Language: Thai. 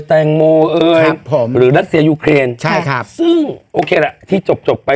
แตงโมเอ่ยหรือรัสเซียยูเครนใช่ครับซึ่งโอเคล่ะที่จบจบไป